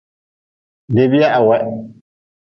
Debia haweh.